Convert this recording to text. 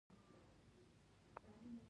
انکشاف باید متوازن وي